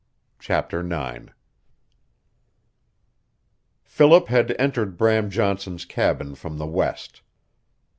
CHAPTER IX Philip had entered Bram Johnson's cabin from the west.